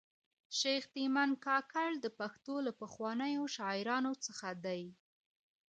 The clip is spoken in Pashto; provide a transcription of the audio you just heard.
شېخ تیمن کاکړ د پښتو له پخوانیو شاعرانو څخه دﺉ.